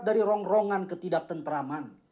dari rongrongan ketidaktentraman